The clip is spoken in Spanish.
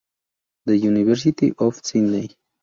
The University of Sydney.